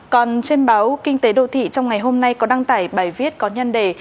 còn trên báo kinh tế đô thị trong ngày hôm nay có đăng tải bài viết có nhân đề